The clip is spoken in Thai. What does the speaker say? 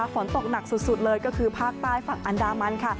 ฝนตกหนักสุดเลยก็คือภาคใต้ฝั่งอันดามันค่ะ